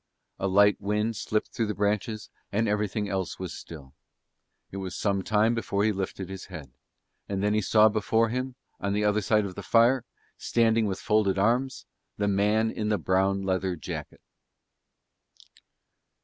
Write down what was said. A light wind slipped through the branches and everything else was still. It was some while before he lifted his head; and then he saw before him on the other side of the fire, standing with folded arms, the man in the brown leather jacket.